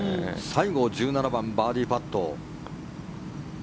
西郷１７番、バーディーパット。